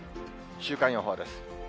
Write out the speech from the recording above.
週間予報です。